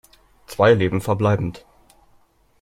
Zwei Leben verbleibend.